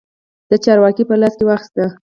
د چارو واګې په لاس کې واخیستې.